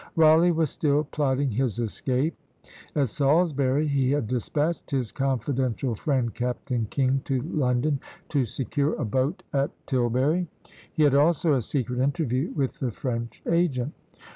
Rawleigh was still plotting his escape; at Salisbury he had despatched his confidential friend Captain King to London, to secure a boat at Tilbury; he had also a secret interview with the French agent.